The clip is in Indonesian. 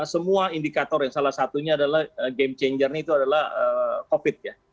bahwa semua indikator yang salah satunya adalah game changer ini adalah covid ya